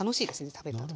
食べた時。